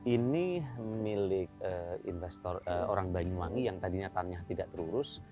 ini milik investor orang banyuwangi yang tadinya tanah tidak terurus